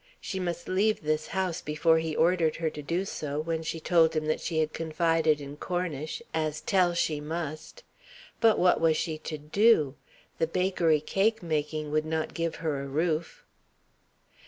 She must leave his house before he ordered her to do so, when she told him that she had confided in Cornish, as tell she must. But what was she to do? The bakery cake making would not give her a roof.